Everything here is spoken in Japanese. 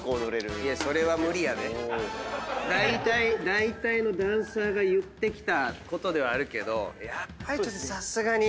だいたいのダンサーが言ってきたことではあるけどやっぱりちょっとさすがに。